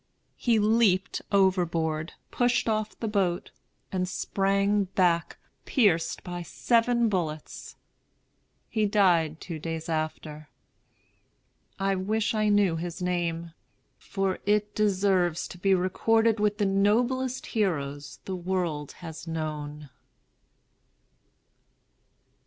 He leaped overboard, pushed off the boat, and sprang back, pierced by seven bullets. He died two days after. I wish I knew his name; for it deserves to be recorded with the noblest heroes the world has known.